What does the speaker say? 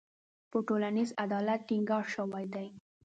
په ټولنیز عدالت ټینګار شوی دی.